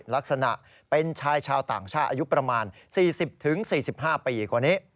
ลักษณะเป็นชายชาวต่างช่าอายุประมาณ๔๐๔๕ปี